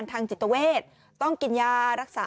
แถมยังไม่ยอมกลับอ่ะ